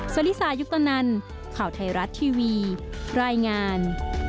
สริษายุคตอนนั้นข่าวไทยรัฐทีวีรายงาน